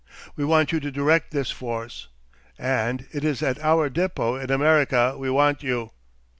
We want you to direct this force. And it is at our depot in America we want you.